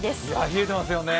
冷えてますよね。